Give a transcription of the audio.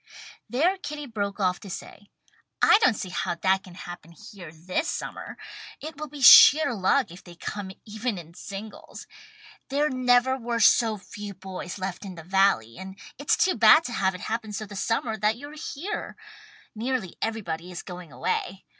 There Kitty broke off to say "I don't see how that can happen here this summer. It will be sheer luck if they come even in singles. There never were so few boys left in the Valley, and it's too bad to have it happen so the summer that you're here. Nearly everybody is going away.